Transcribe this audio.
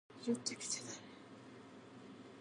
However, they only survive in fragments.